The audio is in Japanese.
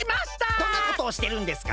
どんなことをしてるんですか？